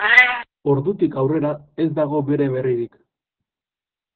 Ordutik aurrera, ez dago bere berririk.